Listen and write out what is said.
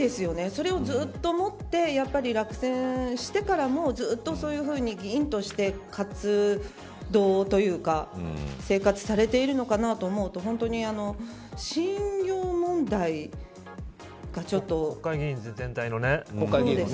それをずっと持って落選してからもずっとそういうふうに議員として活動というか生活されているのかなと思うと本当に信用問題が、ちょっと国会議員全体のね。